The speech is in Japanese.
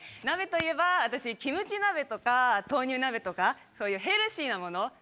鍋といえば私キムチ鍋とか豆乳鍋とかそういうヘルシーなもの